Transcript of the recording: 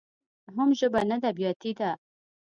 حم ژبه نده بياتي ده.